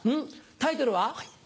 タイトルは？